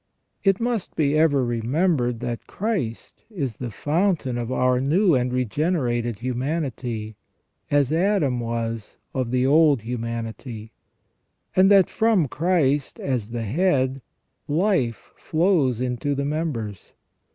It must be ever remembered that Christ is the fountain of our new and regenerated humanity, as Adam was of the old humanity ; and that from Christ, as the head, life flows into the members.